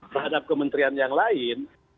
terhadap kementrian yang lain